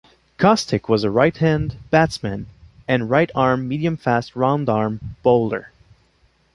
Cosstick was a right-hand batsman and right-arm medium-fast roundarm bowler.